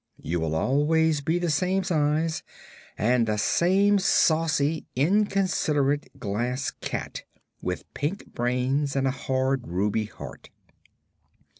You will always be the same size and the same saucy, inconsiderate Glass Cat, with pink brains and a hard ruby heart."